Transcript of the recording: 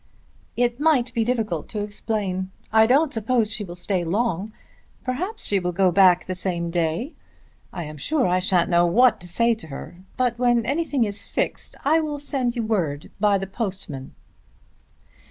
"It might be difficult to explain. I don't suppose she will stay long. Perhaps she will go back the same day. I am sure I shan't know what to say to her. But when anything is fixed I will send you in word by the postman."